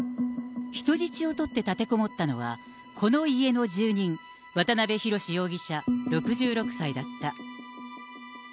人質を取って立てこもったのは、この家の住人、渡辺宏容疑者６６歳だった。